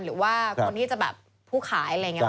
หรือว่าคนที่จะแบบผู้ขายอะไรอย่างนี้